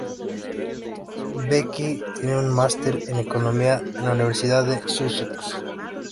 Mbeki tiene un máster en Economía de la Universidad de Sussex.